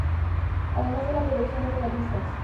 Además de la producción de hortalizas.